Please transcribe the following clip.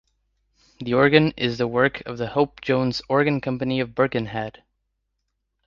The organ is the work of the Hope–Jones Organ Company of Birkenhead.